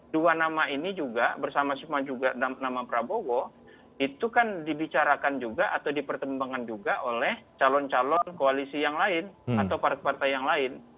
dua nama ini juga bersama sama juga nama prabowo itu kan dibicarakan juga atau dipertimbangkan juga oleh calon calon koalisi yang lain atau partai partai yang lain